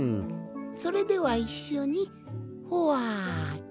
それではいっしょにほわっとしようかの。